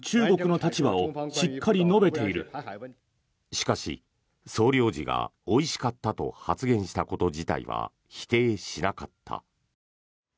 しかし、総領事がおいしかったと発言したこと自体は否定しなかった。